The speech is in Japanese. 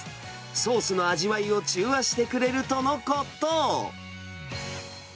ソースの味わいを中和してくれるとのこと。